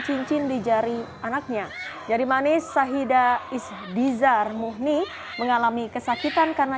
cincin di jari anaknya jadi manis sahidah ishdhizar muhni mengalami kesakitan karena